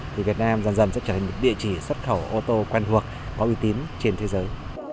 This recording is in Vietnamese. thì việt nam dần dần sẽ trở thành một địa chỉ xuất khẩu ô tô quen thuộc có uy tín trên thế giới